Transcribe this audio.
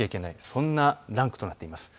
そんなランクとなっています。